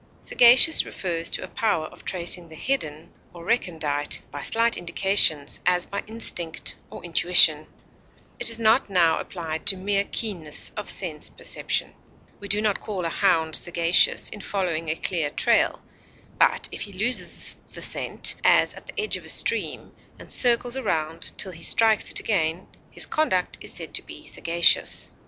Sagacious refers to a power of tracing the hidden or recondite by slight indications, as by instinct or intuition; it is not now applied to mere keenness of sense perception. We do not call a hound sagacious in following a clear trail; but if he loses the scent, as at the edge of a stream, and circles around till he strikes it again, his conduct is said to be sagacious.